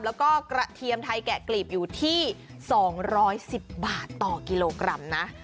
แล้วก็กระเทียมไทยแกะกลีบอยู่ที่๒๑๐บาทต่อกิโลกรัมนะ